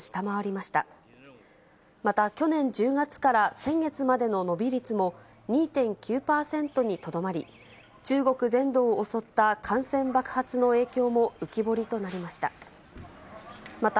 また去年１０月から先月までの伸び率も２．９％にとどまり、中国全土を襲った感染爆発の影響も浮き彫りとなりました。